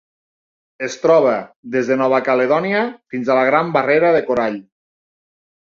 Es troba des de Nova Caledònia fins a la Gran Barrera de Corall.